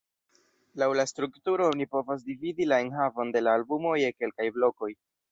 Laŭ la strukturo oni povas dividi la enhavon de la albumo je kelkaj blokoj.